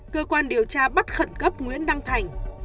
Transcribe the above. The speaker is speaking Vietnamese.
cơ quan điều tra bắt khẩn cấp nguyễn đăng thành